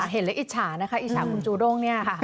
เห็นแล้วอิจฉานะคะอิจฉาคุณจูด้งเนี่ยค่ะ